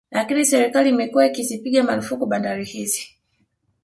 Lakini serikali imekuwa ikizipiga marufuku bandari hizi